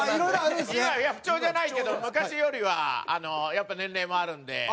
いや不調じゃないけど昔よりはやっぱ年齢もあるんで。